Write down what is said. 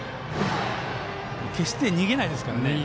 決して逃げないですからね。